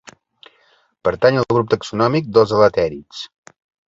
Pertany al grup taxonòmic dels elatèrids.